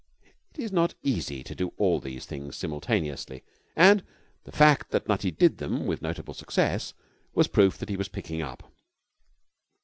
It is not easy to do all these things simultaneously, and the fact that Nutty did them with notable success was proof that he was picking up.